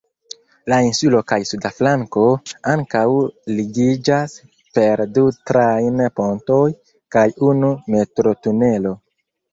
La insulo kaj suda flanko ankaŭ ligiĝas per du trajn-pontoj kaj unu metro-tunelo.